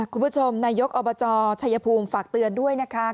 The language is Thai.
คุณผู้ชมนายกอบจชัยภูมิฝากเตือนด้วยนะคะ